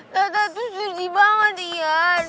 tata tuh sedih banget ian